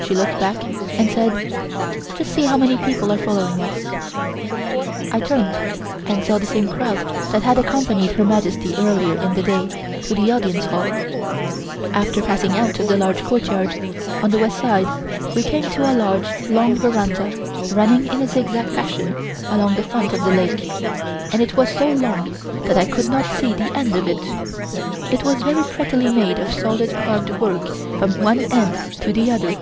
She looked back and said: "Just see how many people are following us." I turned and saw the same crowd that had accompanied Her Majesty earlier in the day to the Audience Hall. After passing out of the large courtyard on the West side, we came to a large, long veranda running in a zig zag fashion along the front of the lake, and it was so long that I could not see the end of it. It was very prettily made of solid carved work from one end to the other.